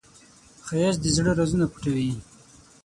ښایست د زړه رازونه پټوي